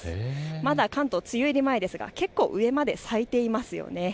まだ関東、梅雨入り前ですが、結構、上まで咲いています。